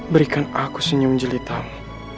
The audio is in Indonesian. berikan aku senyum jelitamu